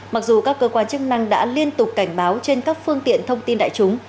mặc dù các cơ quan chức năng đã liên tục cảnh báo trên các phương tiện thông tin đại chúng